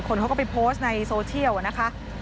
เขาก็ไปโพสต์ในโซเชียลนะคะ